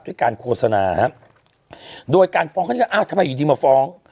ด้วยการโฆษณาโดยการฟ้องอ้าวทำไมอยู่ดีมาฟ้อง